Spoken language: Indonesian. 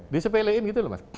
disepelin gitu loh mas